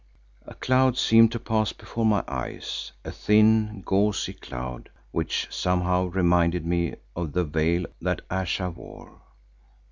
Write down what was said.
A cloud seemed to pass before my eyes, a thin, gauzy cloud which somehow reminded me of the veil that Ayesha wore.